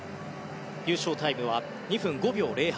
優勝タイムは２分５秒０８。